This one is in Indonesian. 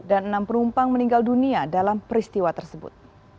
dan enam penumpang meninggal dunia dalam peristiwa tersebut